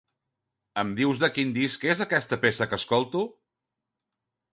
Em dius de quin disc és aquesta peça que escolto?